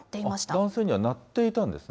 男性には鳴っていてんですね。